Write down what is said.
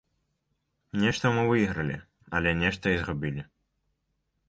Нешта мы выйгралі, але нешта і згубілі.